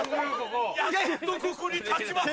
やっとここに建ちます！